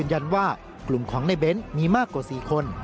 ว่ากลุ่มของในเบ้นมีมากกว่า๔คน